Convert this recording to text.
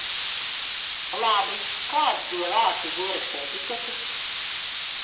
Labi, kāds bija vārds uz ieraksta etiķetes?